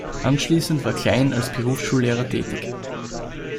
Anschließend war Klein als Berufsschullehrer tätig.